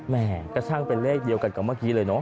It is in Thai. แม่ก็ช่างเป็นเลขเดียวกันกับเมื่อกี้เลยเนอ